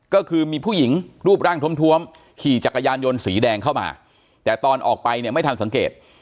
ก็คือมีผู้หญิงรูปร่างท้วมขี่จักรยานยนต์สีแดงเข้ามาแต่ตอนออกไปเนี่ยไม่ทันสังเกต